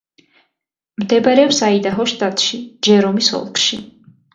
მდებარეობს აიდაჰოს შტატში, ჯერომის ოლქში.